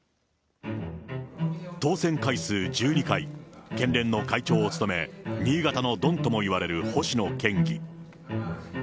当選回数１２回、県連の会長を務め、新潟のドンともいわれる星野県議。